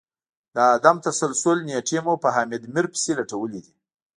د عدم تسلسل نیټې مو په حامد میر پسي لټولې دي